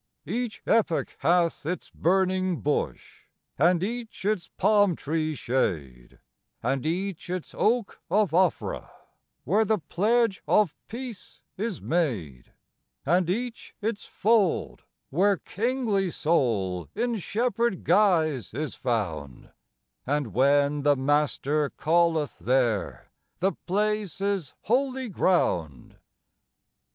Each epoch hath its burning bush, and each its palm tree shade; And each its oak of Ophrah, where the pledge of peace is made. And each its fold, where kingly soul in shepherd guise is found; And when the Master calleth there the place is "holy ground."